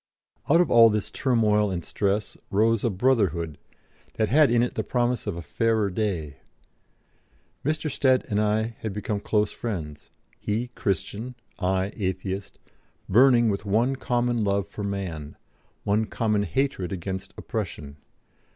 Out of all this turmoil and stress rose a Brotherhood that had in it the promise of a fairer day. Mr. Stead and I had become close friends he Christian, I Atheist, burning with one common love for man, one common hatred against oppression.